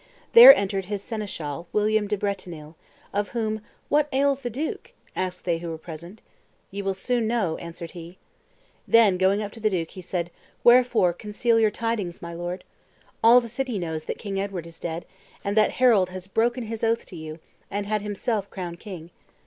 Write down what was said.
There entered his seneschal William de Bretenil, of whom "What ails the duke?" asked they who were present. "Ye will soon know," answered he. Then going up to the duke, he said, "Wherefore conceal your tidings, my lord? All the city knows that King Edward is dead; and that Harold has broken his oath to you, and had himself crowned king."